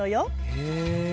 へえ。